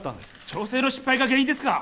調整の失敗が原因ですか？